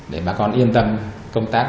để bà con yên tâm công tác